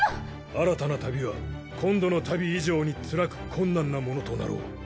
新たな旅は今度の旅以上につらく困難なものとなろう。